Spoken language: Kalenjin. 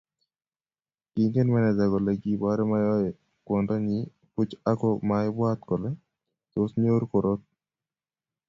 kiingen meneja kole kiborei Mayowe kwondonyin buch ako maibwaat kole tos nyoru korot